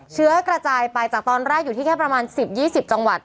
เชื้อกระจายไปจากตอนแรกอยู่ที่แค่ประมาณ๑๐๒๐จังหวัด